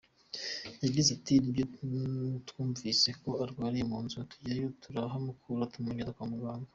Yagize ati “Nibyo, twumvise ko arwariye mu nzu, tujyayo turahamukura tumugeza kwa muganga.